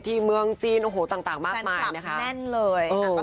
ที่เมืองจีนโอ้โหต่างมากมายนะคะแฟนคลับแน่นเลยอ่า